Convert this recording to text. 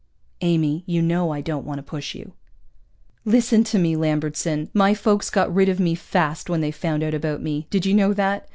_" "Amy, you know I don't want to push you." "Listen to me, Lambertson. My folks got rid of me fast when they found out about me. Did you know that?